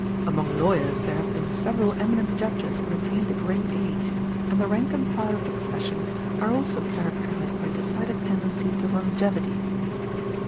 Among lawyers there have been several eminent judges who attained a great age, and the rank and file of the profession are also characterized by a decided tendency to longevity.